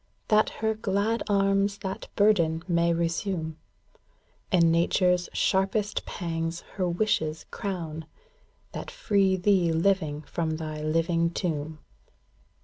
That her glad arms that burden may resume ; And nature's sharpest pangs her wishes crown, That free thee living from thy living tomb.